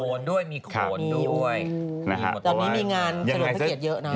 มีโคนด้วยมีโคนด้วยตอนนี้มีงานสะดวกเกลียดเยอะนะฮะ